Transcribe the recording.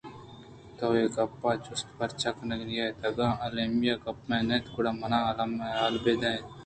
تو اے گپ ءِ جست ءَ پرچہ کنگءَ اِت؟ اگاں المیں گپ اَنت گڑا منا المّ ءَ حال بہ دئے اِت